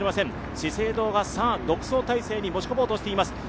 資生堂が独走態勢に持ち込もうとしています。